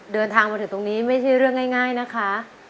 เดินทางมาถึงตรงนี้ไม่ใช่เรื่องง่ายนะคะ